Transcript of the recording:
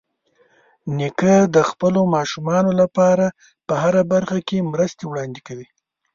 نیکه د خپلو ماشومانو لپاره په هره برخه کې مرستې وړاندې کوي.